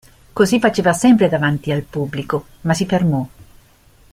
Cosí faceva sempre davanti al pubblico – ma si fermò.